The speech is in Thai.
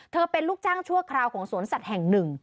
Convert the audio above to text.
เป็นลูกจ้างชั่วคราวของสวนสัตว์แห่งหนึ่ง